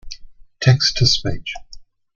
Text to Speech.